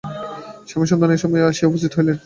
স্বামী সদানন্দ এই সময়ে সেখানে আসিয়া উপস্থিত হইলেন।